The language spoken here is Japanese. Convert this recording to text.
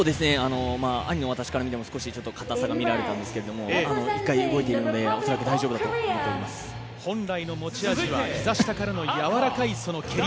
兄の私から見ても少し硬さが見られたんですが１回動いているので本来の持ち味はひざ下からのやわらかい蹴り。